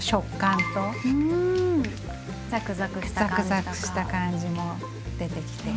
ザクザクした感じも出てきて。